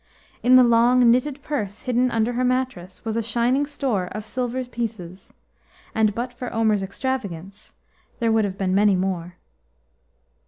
In the long knitted purse hidden under her mattress was a shining store of silver pieces, and but for Omer's extravagance, there would have been many more.